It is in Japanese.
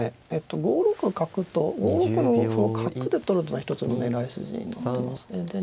５六角と５六の歩を角で取るのは一つの狙い筋になってますね。